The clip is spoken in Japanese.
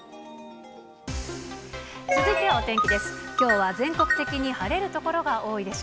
続いてはお天気です。